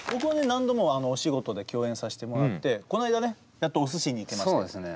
何度もお仕事で共演させてもらってこないだねやっとお寿司に行けましたね。